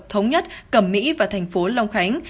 thống nhất cầm mỹ và thành phố long khánh